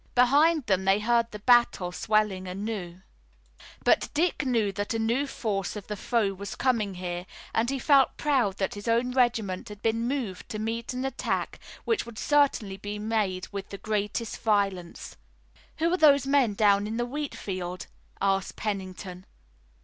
Behind them they heard the battle swelling anew, but Dick knew that a new force of the foe was coming here, and he felt proud that his own regiment had been moved to meet an attack which would certainly be made with the greatest violence. "Who are those men down in the wheat field?" asked Pennington.